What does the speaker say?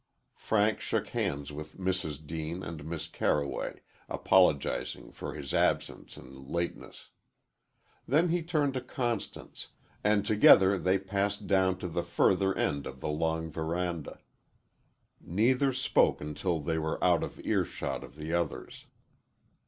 Frank shook hands with Mrs. Deane and Miss Carroway, apologizing for his absence and lateness. Then he turned to Constance, and together they passed down to the further end of the long veranda. Neither spoke until they were out of earshot of the others.